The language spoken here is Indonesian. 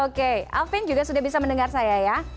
oke alvin juga sudah bisa mendengar saya ya